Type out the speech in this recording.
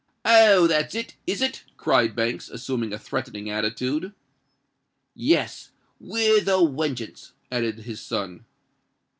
"Oh! that's it—is it?" cried Banks, assuming a threatening attitude. "Yes—with a wengeance," added his son.